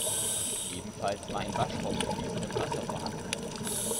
Ebenfalls war ein Waschraum mit fließendem Wasser vorhanden.